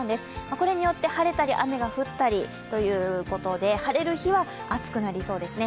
これによって晴れたり雨が降ったりということで、晴れる日は暑くなりそうですね。